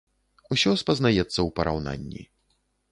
Усё спазнаецца ў параўнанні.